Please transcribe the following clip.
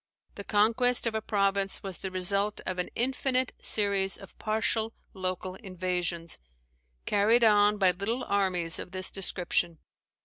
The conquest of a province was the result of an infinite series of partial local invasions, carried on by little armies of this description.